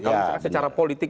kalau misalkan secara politik